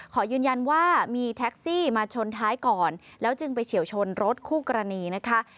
ขอยืนยันว่ามีแท็กซี่มาชนท้ายก่อนแล้วจึงไปเฉียวชนรถคู่กรณีนะคะ